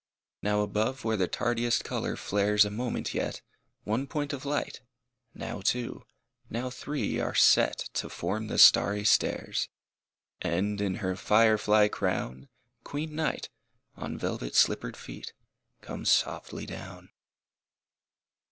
Now above where the tardiest color flares a moment yet, One point of light, now two, now three are set To form the starry stairs,— And, in her fire fly crown, Queen Night, on velvet slippered feet, comes softly down.